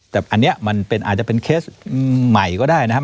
แต่อันนี้มันอาจจะเป็นเคสใหม่ก็ได้นะครับ